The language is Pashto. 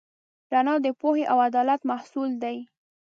رڼا د پوهې او عدالت محصول دی.